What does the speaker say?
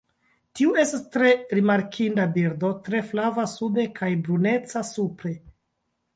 Tiu estas tre rimarkinda birdo tre flava sube kaj bruneca supre.